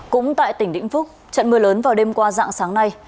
cũng tại tỉnh vĩnh phúc trận mưa lớn vào đêm qua dạng sáng nay